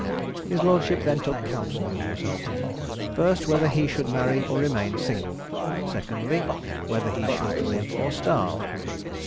His lordship then took counsel with himself first, whether he should marry or remain single; secondly, whether he should live or starve.